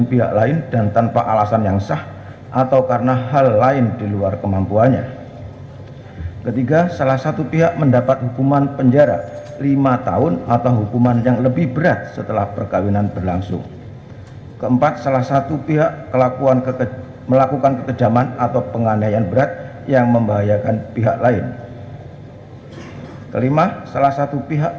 pertama penggugat akan menerjakan waktu yang cukup untuk menerjakan si anak anak tersebut yang telah menjadi ilustrasi